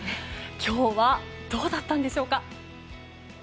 今日はどうだったんでしょうか。